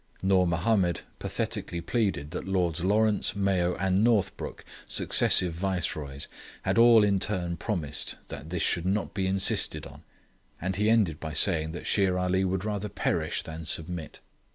Noor Mahomed pathetically pleaded that Lords Lawrence, Mayo, and Northbrook, successive Viceroys, had all in turn promised that this should not be insisted on; and he ended by saying that Shere Ali would rather perish than submit.